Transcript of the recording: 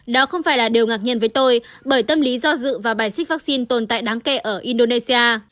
đó không phải là điều ngạc nhiên với tôi bởi tâm lý do dự và bài xích vaccine tồn tại đáng kể ở indonesia